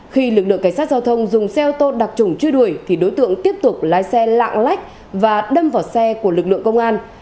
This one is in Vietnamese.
khi lực lượng cảnh sát giao thông dùng xe ô tô đặc trủng truy đuổi thì đối tượng tiếp tục lái xe lạng lách và đâm vào xe của lực lượng công an